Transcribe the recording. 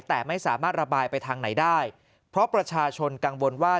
แต่ไม่สามารถระบายไปทางไหนได้เพราะประชาชนกังวลว่า